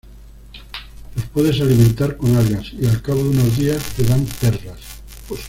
Los puedes alimentar con algas y al cabo de unos días te dan perlas.